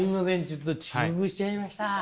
ちょっと遅刻しちゃいました。